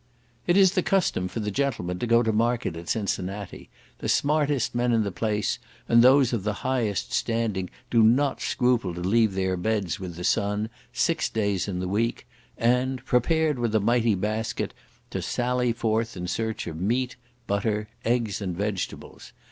It is the custom for the gentlemen to go to market at Cincinnati; the smartest men in the place, and those of the "highest standing" do not scruple to leave their beds with the sun, six days in the week, and, prepared with a mighty basket, to sally forth in search of meat, butter, eggs and vegetables.